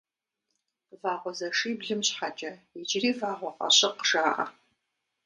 Вагъуэзэшиблым щхьэкӏэ иджыри Вагъуэкъащыкъ жаӏэ.